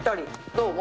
どうも。